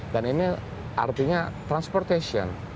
dan ini artinya transportation